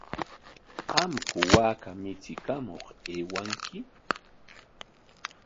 ¿Qamku waaka michikamuq aywanki?